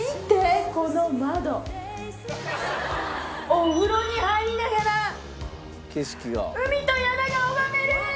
お風呂に入りながら海と山が拝めるー！